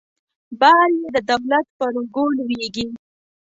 بار یې د دولت پر اوږو لویږي.